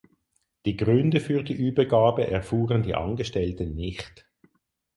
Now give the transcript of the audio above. Die Gründe für die Übergabe erfuhren die Angestellten nicht.